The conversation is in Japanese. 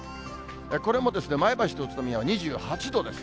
これも前橋と宇都宮は２８度です。